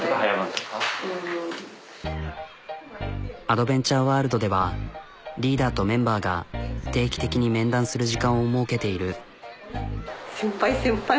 アドベンチャーワールドではリーダーとメンバーが定期的に面談する時間を設けている。